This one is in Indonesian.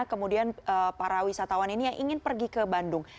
kemudian para wisatawan ini yang ingin pergi ke bandung